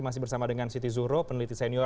masih bersama dengan siti zuhro peneliti senior